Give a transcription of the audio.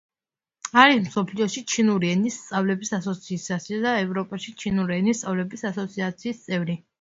არის მსოფლიოში ჩინური ენის სწავლების ასოციაციისა და ევროპაში ჩინური ენის სწავლების ასოციაციის წევრი.